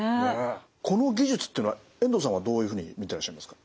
この技術っていうのは遠藤さんはどういうふうに見てらっしゃいますか？